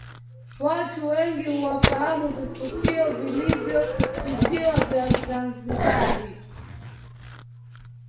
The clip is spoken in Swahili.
Watu wengi hawafahamu vivutio vilivyopo visiwa vya Zanzibar